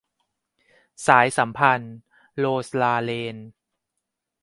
สายสัมพันธ์ - โรสลาเรน